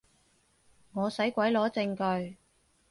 我使鬼攞證據